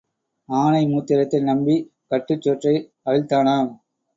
ஆனை மூத்திரத்தை நம்பிக் கட்டுச் சோற்றை அவிழ்த்தானாம்.